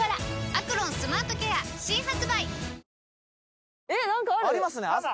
「アクロンスマートケア」新発売！なんかある？